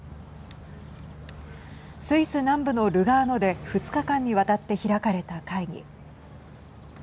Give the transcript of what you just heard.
スイス南部のルガーノで２日間にわたって開かれた会議。